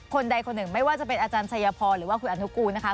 ใดคนหนึ่งไม่ว่าจะเป็นอาจารย์ชัยพรหรือว่าคุณอนุกูลนะคะ